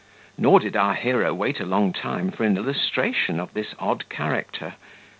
Nor did our hero wait a long time for an illustration of this odd character.